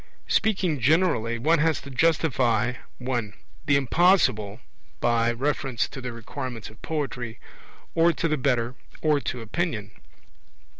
Speaking generally, one has to justify (1) the Impossible by reference to the requirements of poetry, or to the better, or to opinion.